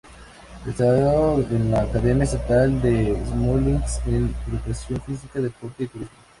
Estudió en la Academia Estatal de Smolensk de Educación Física, Deporte y Turismo.